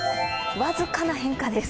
僅かな変化です。